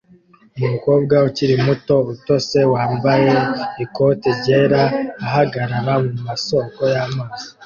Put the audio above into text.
Umukobwa ukiri muto utose wambaye ikote ryera ahagarara mumasoko y'amazi